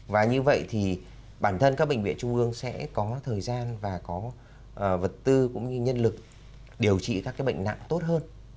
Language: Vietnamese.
và như vậy thì bản thân các bệnh viện trung ương sẽ có thời gian và có vật tư cũng như nhân lực điều trị các cái bệnh nặng tốt hơn